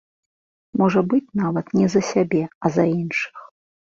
Можа быць, нават не за сябе, а за іншых.